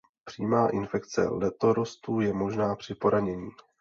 Přímá infekce letorostů je možná při poranění.